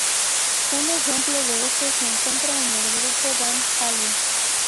Un ejemplo de esto se encuentra en el grupo Van Halen.